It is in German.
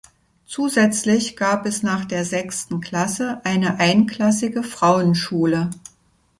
Zusätzlich gab es nach der sechsten Klasse eine einklassige Frauenschule.